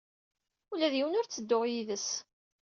Ula d yiwen ur ttedduɣ yid-s.